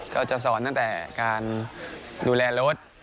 ก็จะสอนตั้งแต่การดูแลรถ